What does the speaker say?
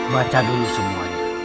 baca dulu semuanya